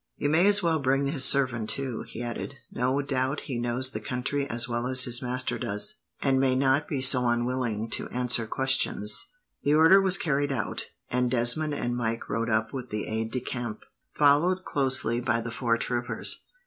"You may as well bring his servant, too," he added. "No doubt he knows the country as well as his master does, and may not be so unwilling to answer questions." The order was carried out, and Desmond and Mike rode up with the aide de camp, followed closely by the four troopers.